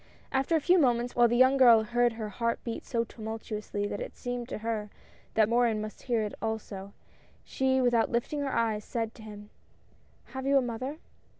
After a few moments, while the young girl heard her heart beat so tumultuously that it seemed to her that Morin must hear it also, she without lifting her eyes, said to him :" Have you a mother